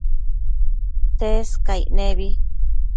Tsescaic nebi